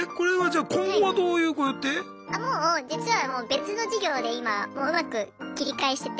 あもう実はもう別の事業で今もううまく切り返してて。